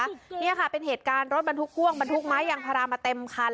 นี่ค่ะเป็นเหตุการณ์รถบรรทุกพ่วงบรรทุกไม้ยางพารามาเต็มคัน